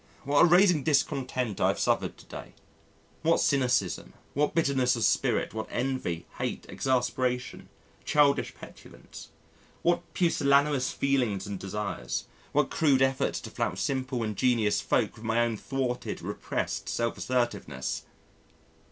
What a raging discontent I have suffered to day! What cynicism, what bitterness of spirit, what envy, hate, exasperation, childish petulance, what pusillanimous feelings and desires, what crude efforts to flout simple, ingenuous folk with my own thwarted, repressed self assertiveness!